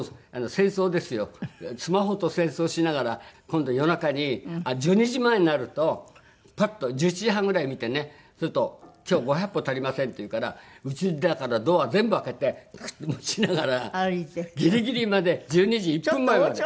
今度夜中に１２時前になるとパッと１１時半ぐらいに見てねすると「今日５００歩足りません」っていうからうちだからドア全部開けてグッて持ちながらギリギリまで１２時１分前まで。